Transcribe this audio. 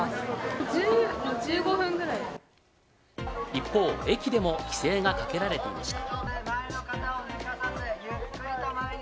一方、駅でも規制がかけられていました。